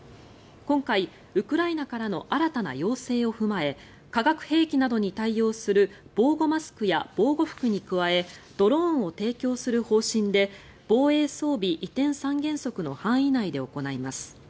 今回、ウクライナからの新たな要請を踏まえ化学兵器などに対応する防護マスクや防護服に加えドローンを提供する方針で防衛装備移転三原則の範囲内で行います。